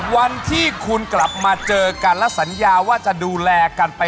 วันที่คุณกลับมาเจอกันและสัญญาว่าจะดูแลกันไป